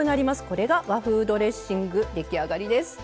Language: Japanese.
これが和風ドレッシング出来上がりです。